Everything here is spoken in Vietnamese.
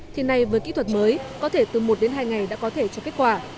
thì nay với kỹ thuật mới có thể từ một đến hai ngày đã có thể cho kết quả